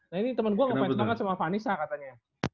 nah ini temen gua ngefans banget sama vanessa katanya